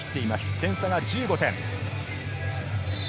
点差は１５点。